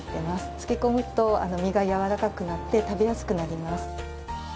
つけ込むと身がやわらかくなって食べやすくなります。